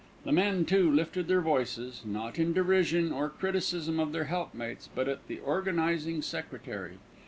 The men, too, lifted their voices, not in derision or criticism of their helpmates; but at the organising secretary.